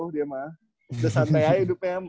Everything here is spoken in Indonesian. dia mah udah santai aja hidupnya